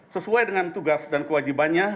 sesuai dengan tugas dan kewajibannya